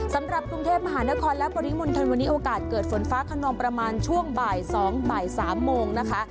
สำหรับกรุงเทพมหานครและปริมณฑลวันนี้โอกาสเกิดฝนฟ้าขนองประมาณช่วงบ่าย๒บ่าย๓โมงนะคะ